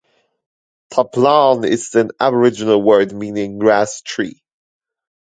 "Taplan" is an aboriginal word meaning "grass tree".